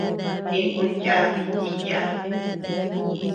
Ikun yábi diiya.